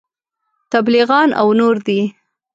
تبلیغیان او نور دي.